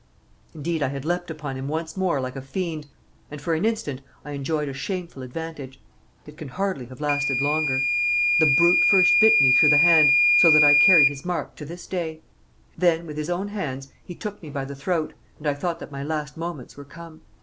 Indeed, I had leapt upon him once more like a fiend, and for an instant I enjoyed a shameful advantage; it can hardly have lasted longer. The brute first bit me through the hand, so that I carry his mark to this day; then, with his own hands, he took me by the throat, and I thought that my last moments were come.